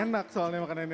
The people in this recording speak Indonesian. enak soalnya makan indonesia